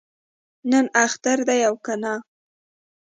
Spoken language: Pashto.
نن اختر دی او کنه؟